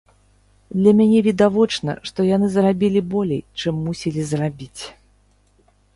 Для мяне відавочна, што яны зрабілі болей, чым мусілі зрабіць.